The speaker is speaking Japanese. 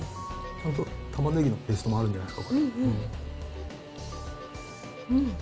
本当、たまねぎのペーストもあるんじゃないですか、これ。